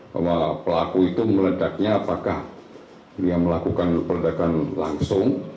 bahwa pelaku itu meledaknya apakah dia melakukan peledakan langsung